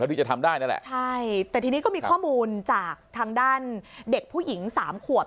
ที่จะทำได้นั่นแหละใช่แต่ทีนี้ก็มีข้อมูลจากทางด้านเด็กผู้หญิงสามขวบ